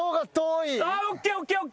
ＯＫＯＫＯＫ。